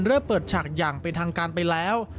เริ่มเปิดฉากอย่างเป็นทางการไปแล้ว